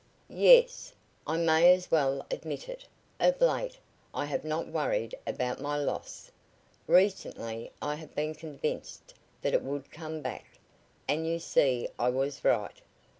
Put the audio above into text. "Yes. I may as well admit it, of late I have not worried about my loss. Recently I have been convinced that it would come back. And you see I was right."